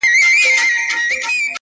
د ګوربت، باز او شاهین خبري مه کړئ٫